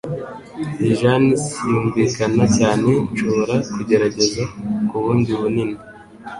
Iyi jeans yunvikana cyane Nshobora kugerageza ku bundi bunini?